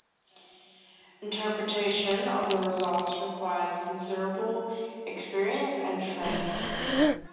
Interpretation of the results requires considerable experience and training.